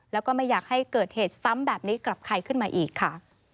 แล้วก็ไม่อยากให้เกิดเหตุซ้ำแบบนี้กับใครขึ้นมาอีกค่ะ